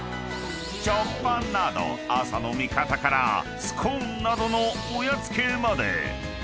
［食パンなど朝の味方からスコーンなどのおやつ系まで］